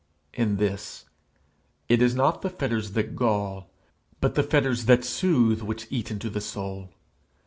In this: it is not the fetters that gall, but the fetters that soothe, which eat into the soul.